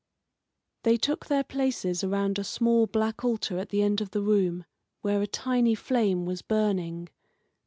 They took their places around a small black altar at the end of the room, where a tiny flame was burning.